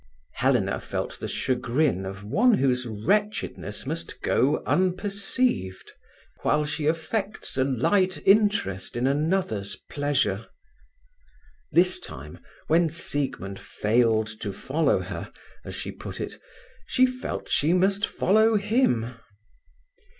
Helena felt the chagrin of one whose wretchedness must go unperceived, while she affects a light interest in another's pleasure. This time, when Siegmund "failed to follow her", as she put it, she felt she must follow him.